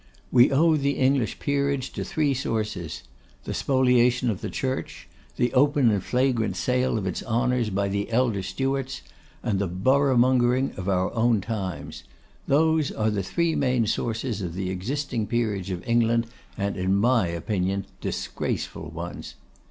We owe the English peerage to three sources: the spoliation of the Church; the open and flagrant sale of its honours by the elder Stuarts; and the boroughmongering of our own times. Those are the three main sources of the existing peerage of England, and in my opinion disgraceful ones.